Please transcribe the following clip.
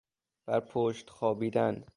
بر پشت خوابیدن